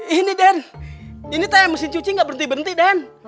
ini den ini teh mesin cuci gak berhenti berhenti den